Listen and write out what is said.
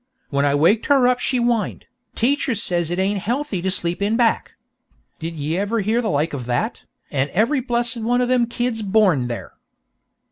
When I waked her up she whined, 'Teacher says it ain't healthy to sleep in back.' Did ye ever hear the like of that? an' every blessed one of them kids born there!"